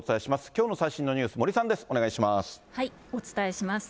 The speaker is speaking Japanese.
きょうの最新のニュース、森さんです、お願いします。